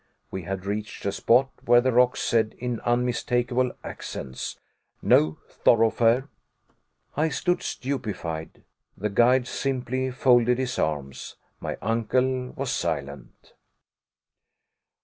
We had reached a spot where the rocks said in unmistakable accents No Thoroughfare. I stood stupefied. The guide simply folded his arms. My uncle was silent.